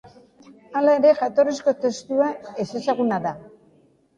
Hala ere, jatorrizko testua ezezaguna da.